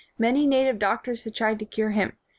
Many native doctors had tried to cure him.